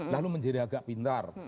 lalu menjadi agama lain